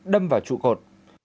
đâm vào trụ cột